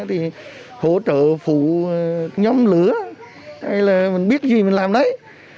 thì hỗ trợ phụ nhóm lửa hay là mình biết gì mình làm đấy